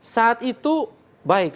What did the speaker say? saat itu baik